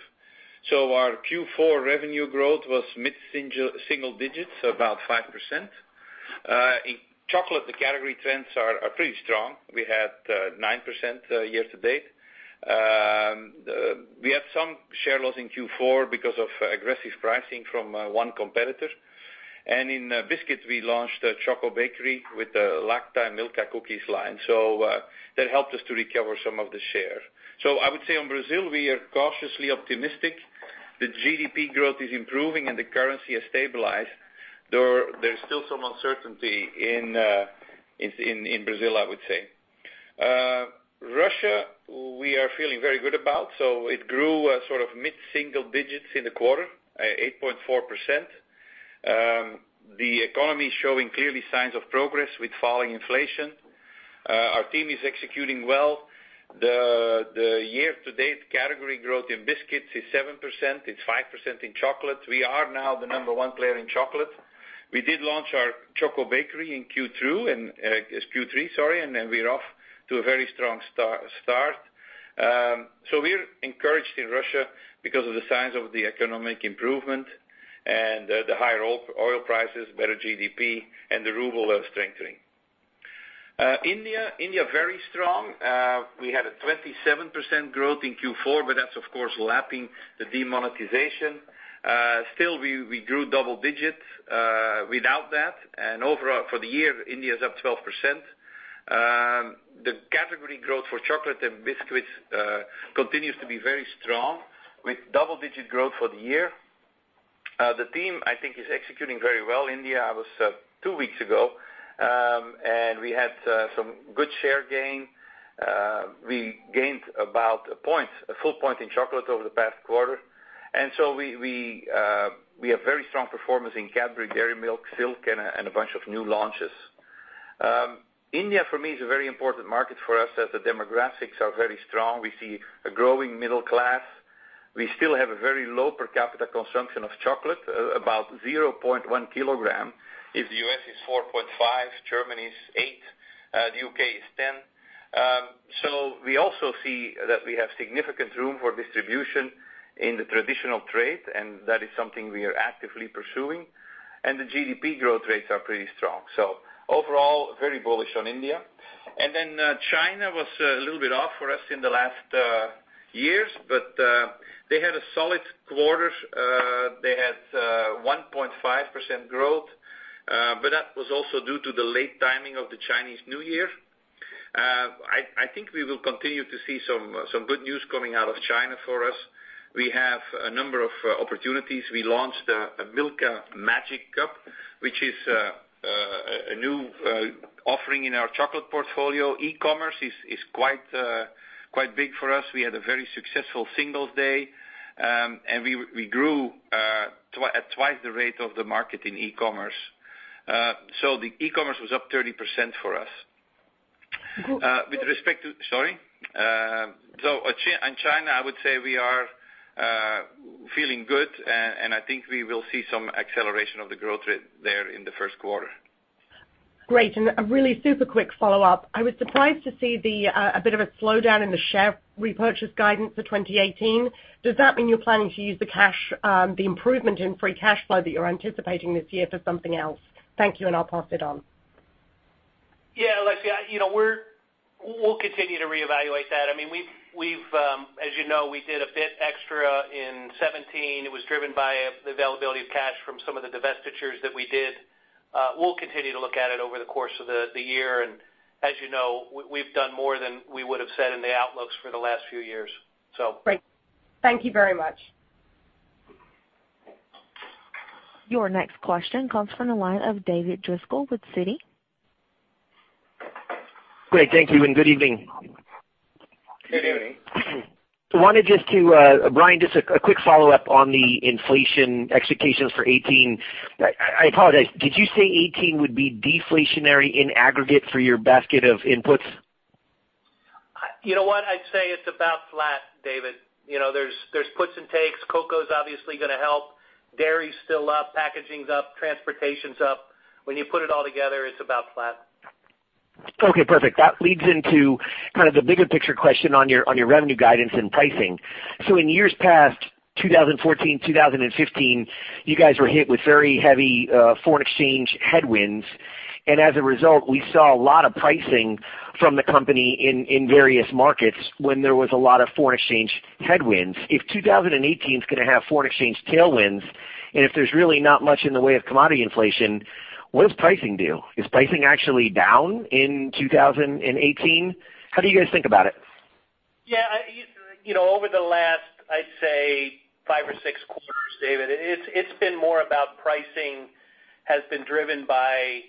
Our Q4 revenue growth was mid-single digits, about 5%. In chocolate, the category trends are pretty strong. We had 9% year to date. We had some share loss in Q4 because of aggressive pricing from one competitor. In biscuits, we launched a Choco Bakery with the Lacta Milka cookies line. That helped us to recover some of the share. I would say on Brazil, we are cautiously optimistic. The GDP growth is improving, and the currency has stabilized, though there's still some uncertainty in Brazil, I would say. Russia, we are feeling very good about. It grew sort of mid-single digits in the quarter, 8.4%. The economy is showing clearly signs of progress with falling inflation. Our team is executing well. The year to date category growth in biscuits is 7%. It's 5% in chocolate. We are now the number one player in chocolate. We did launch our Choco Bakery in Q3. We're off to a very strong start. We're encouraged in Russia because of the signs of the economic improvement, the higher oil prices, better GDP, and the ruble strengthening. India, very strong. We had a 27% growth in Q4, but that's of course lapping the demonetization. Still, we grew double digits without that, and overall for the year, India is up 12%. The category growth for chocolate and biscuits continues to be very strong with double-digit growth for the year. The team, I think, is executing very well. India, I was 2 weeks ago, we had some good share gain. We gained about 1 point, a full point in chocolate over the past quarter. We have very strong performance in Cadbury, Dairy Milk, Silk, and a bunch of new launches. India for me is a very important market for us as the demographics are very strong. We see a growing middle class. We still have a very low per capita consumption of chocolate, about 0.1 kilogram. If the U.S. is 4.5, Germany's 8, the U.K. is 10. We also see that we have significant room for distribution in the traditional trade, and that is something we are actively pursuing. The GDP growth rates are pretty strong. Overall, very bullish on India. China was a little bit off for us in the last years, but they had a solid quarter. They had 1.5% growth, that was also due to the late timing of the Chinese New Year. I think we will continue to see some good news coming out of China for us. We have a number of opportunities. We launched a Milka Magic Cup, which is a new offering in our chocolate portfolio. E-commerce is quite big for us. We had a very successful Singles Day, and we grew at twice the rate of the market in e-commerce. The e-commerce was up 30% for us. Go- Sorry. In China, I would say we are feeling good, I think we will see some acceleration of the growth rate there in the first quarter. Great. A really super quick follow-up. I was surprised to see a bit of a slowdown in the share repurchase guidance for 2018. Does that mean you're planning to use the improvement in free cash flow that you're anticipating this year for something else? Thank you, I'll pass it on. Yeah, Alexia, we'll continue to reevaluate that. As you know, we did a bit extra in 2017. It was driven by the availability of cash from some of the divestitures that we did. We'll continue to look at it over the course of the year, as you know, we've done more than we would've said in the outlooks for the last few years. Great. Thank you very much. Your next question comes from the line of David Driscoll with Citi. Great. Thank you, good evening. Good evening. I wanted just to, Brian, just a quick follow-up on the inflation expectations for 2018. I apologize, did you say 2018 would be deflationary in aggregate for your basket of inputs? You know what? I'd say it's about flat, David. There's puts and takes. Cocoa's obviously going to help. Dairy's still up, packaging's up, transportation's up. When you put it all together, it's about flat. Okay, perfect. That leads into kind of the bigger picture question on your revenue guidance and pricing. In years past, 2014, 2015, you guys were hit with very heavy foreign exchange headwinds, and as a result, we saw a lot of pricing from the company in various markets when there was a lot of foreign exchange headwinds. If 2018's going to have foreign exchange tailwinds, and if there's really not much in the way of commodity inflation, what does pricing do? Is pricing actually down in 2018? How do you guys think about it? Yeah. Over the last, I'd say five or six quarters, David, it's been more about pricing has been driven by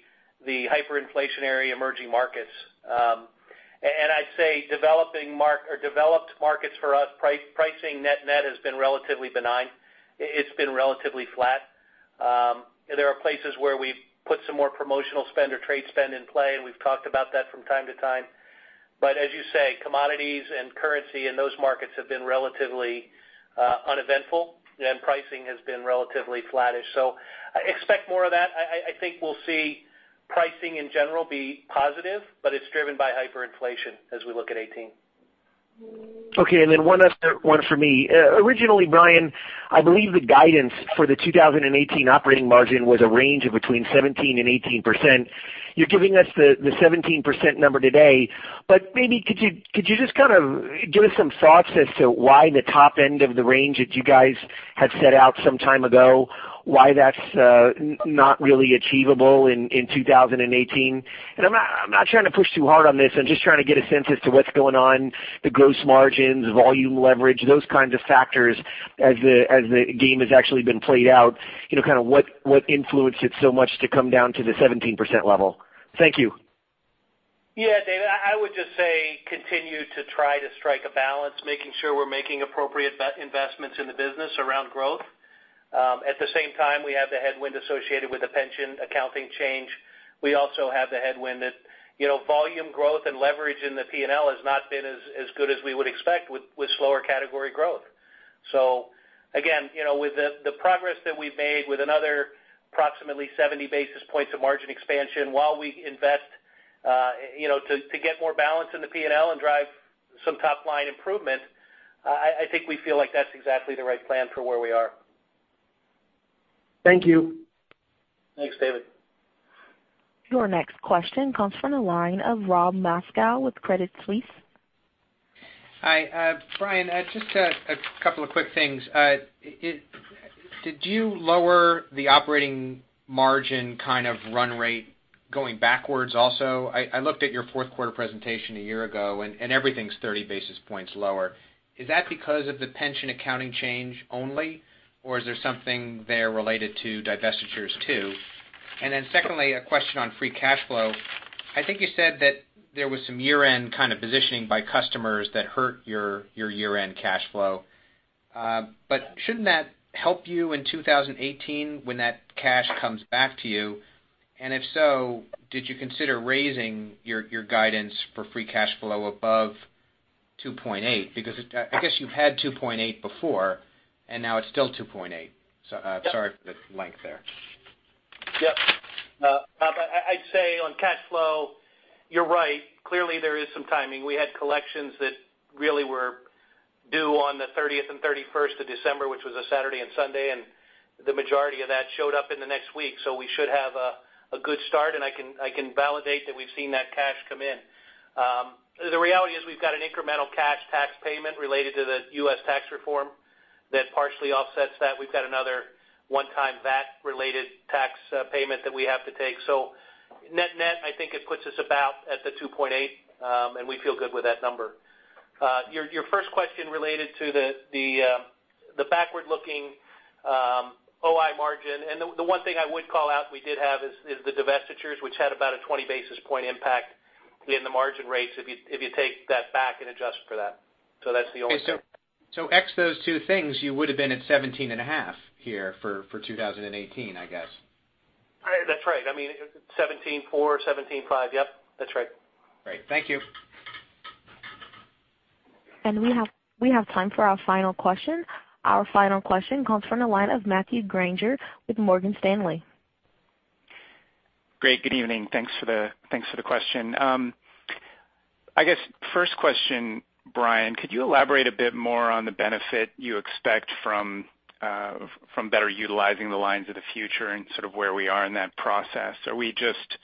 the hyperinflationary emerging markets. I'd say developed markets for us, pricing net has been relatively benign. It's been relatively flat. There are places where we've put some more promotional spend or trade spend in play, and we've talked about that from time to time. As you say, commodities and currency in those markets have been relatively uneventful, and pricing has been relatively flattish. Expect more of that. I think we'll see pricing in general be positive, but it's driven by hyperinflation as we look at 2018. Okay, one other one for me. Originally, Brian, I believe the guidance for the 2018 operating margin was a range of between 17% and 18%. You're giving us the 17% number today, but maybe could you just kind of give us some thoughts as to why the top end of the range that you guys had set out some time ago, why that's not really achievable in 2018? I'm not trying to push too hard on this. I'm just trying to get a sense as to what's going on, the gross margins, volume leverage, those kinds of factors as the game has actually been played out, kind of what influenced it so much to come down to the 17% level. Thank you. Yeah, David. I would just say continue to try to strike a balance, making sure we're making appropriate investments in the business around growth. At the same time, we have the headwind associated with the pension accounting change. We also have the headwind that volume growth and leverage in the P&L has not been as good as we would expect with slower category growth. Again, with the progress that we've made with another approximately 70 basis points of margin expansion while we invest to get more balance in the P&L and drive some top-line improvement, I think we feel like that's exactly the right plan for where we are. Thank you. Thanks, David. Your next question comes from the line of Rob Moskow with Credit Suisse. Hi. Brian, just a couple of quick things. Did you lower the operating margin kind of run rate going backwards also? I looked at your fourth quarter presentation a year ago, and everything's 30 basis points lower. Is that because of the pension accounting change only, or is there something there related to divestitures, too? Secondly, a question on free cash flow. I think you said that there was some year-end kind of positioning by customers that hurt your year-end cash flow. Shouldn't that help you in 2018 when that cash comes back to you? If so, did you consider raising your guidance for free cash flow above $2.8? I guess you've had $2.8 before, and now it's still $2.8. Sorry for the length there. Yep. Rob, I'd say on cash flow, you're right. Clearly, there is some timing. We had collections that really were due on the 30th and 31st of December, which was a Saturday and Sunday, and the majority of that showed up in the next week. We should have a good start, and I can validate that we've seen that cash come in. The reality is we've got an incremental cash tax payment related to the U.S. tax reform. That partially offsets that. We've got another one-time VAT related tax payment that we have to take. Net-net, I think it puts us about at the $2.8, and we feel good with that number. Your first question related to the backward-looking OI margin. The one thing I would call out we did have is the divestitures, which had about a 20 basis point impact in the margin rates if you take that back and adjust for that. That's the only thing. Ex those two things, you would have been at 17.5 here for 2018, I guess. That's right. 17.4, 17.5. Yep, that's right. Great. Thank you. We have time for our final question. Our final question comes from the line of Matthew Grainger with Morgan Stanley. Great. Good evening. Thanks for the question. I guess first question, Brian, could you elaborate a bit more on the benefit you expect from better utilizing the Lines of the Future and sort of where we are in that process? Are we just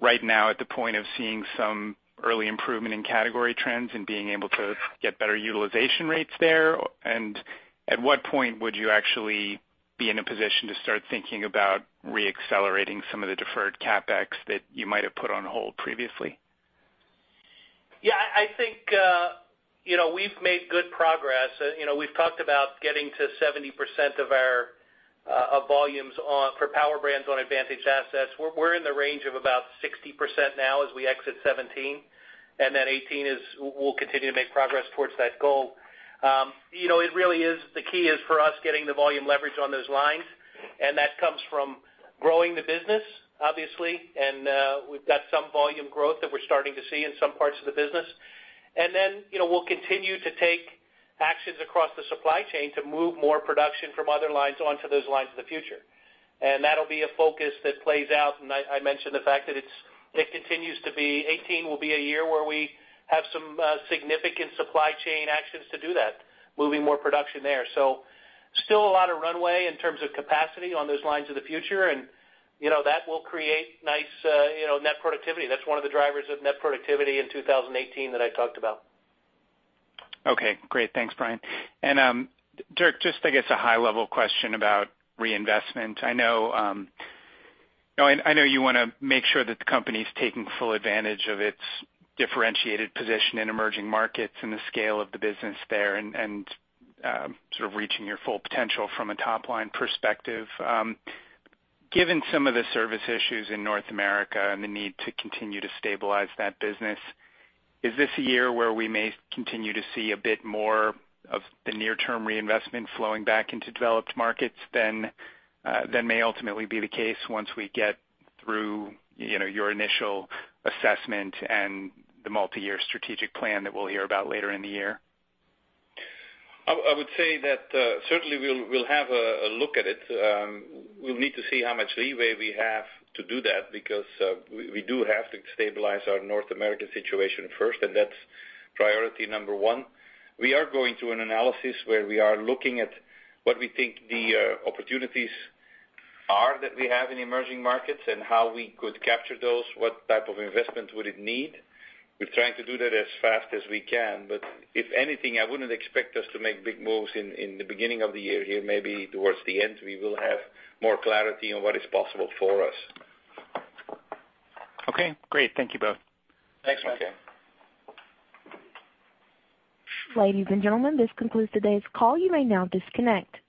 right now at the point of seeing some early improvement in category trends and being able to get better utilization rates there? At what point would you actually be in a position to start thinking about re-accelerating some of the deferred CapEx that you might have put on hold previously? Yeah, I think we've made good progress. We've talked about getting to 70% of volumes for Power Brands on Advantaged Assets. We're in the range of about 60% now as we exit 2017. 2018 we'll continue to make progress towards that goal. The key is for us getting the volume leverage on those lines, and that comes from growing the business, obviously, and we've got some volume growth that we're starting to see in some parts of the business. We'll continue to take actions across the supply chain to move more production from other lines onto those Lines of the Future. That'll be a focus that plays out, and I mentioned the fact that it continues to be 2018 will be a year where we have some significant supply chain actions to do that, moving more production there. Still a lot of runway in terms of capacity on those Lines of the Future, and that will create nice net productivity. That's one of the drivers of net productivity in 2018 that I talked about. Okay, great. Thanks, Brian. Dirk, just I guess a high level question about reinvestment. I know you want to make sure that the company's taking full advantage of its differentiated position in emerging markets and the scale of the business there and sort of reaching your full potential from a top-line perspective. Given some of the service issues in North America and the need to continue to stabilize that business, is this a year where we may continue to see a bit more of the near-term reinvestment flowing back into developed markets than may ultimately be the case once we get through your initial assessment and the multi-year strategic plan that we'll hear about later in the year? I would say that certainly we'll have a look at it. We'll need to see how much leeway we have to do that because we do have to stabilize our North American situation first, and that's priority number one. We are going through an analysis where we are looking at what we think the opportunities are that we have in emerging markets and how we could capture those, what type of investment would it need. We're trying to do that as fast as we can. If anything, I wouldn't expect us to make big moves in the beginning of the year here. Maybe towards the end, we will have more clarity on what is possible for us. Okay, great. Thank you both. Thanks, Matt. Okay. Ladies and gentlemen, this concludes today's call. You may now disconnect.